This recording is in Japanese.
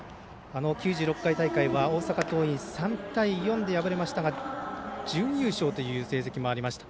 ９６回大会は大阪桐蔭３対４で敗れましたが準優勝という成績もありました。